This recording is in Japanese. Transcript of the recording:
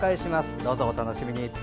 どうぞ、お楽しみに。